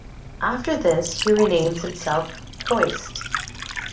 After this, he renames himself Hoist.